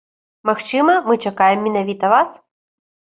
Магчыма, мы чакаем менавіта вас.